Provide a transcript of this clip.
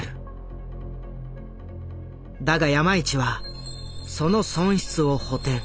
だが山一はその損失を補てん。